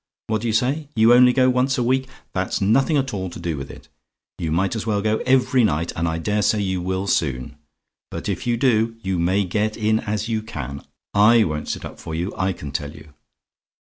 What do you say? "YOU ONLY GO ONCE A WEEK? "That's nothing at all to do with it: you might as well go every night; and I daresay you will soon. But if you do, you may get in as you can: I won't sit up for you, I can tell you.